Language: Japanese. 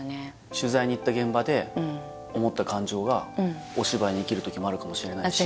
取材に行った現場で思った感情がお芝居に生きる時もあるかもしれないし